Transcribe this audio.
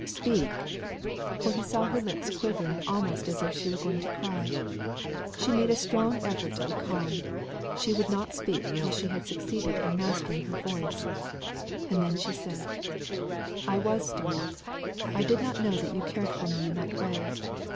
Speak!" For he saw her lips quivering almost as if she were going to cry. She made a strong effort to be calm; she would not speak till she had succeeded in mastering her voice, and then she said: "I was startled. I did not know that you cared for me in that way.